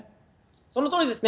そのとおりですね。